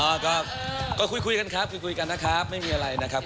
ก็ก็คุยกันครับคุยกันนะครับไม่มีอะไรนะครับ